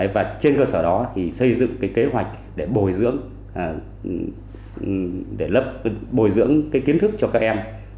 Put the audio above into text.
và trên cơ sở đó thì xây dựng kế hoạch để bồi dưỡng kiến thức cho các em